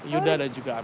yudha dan juga amel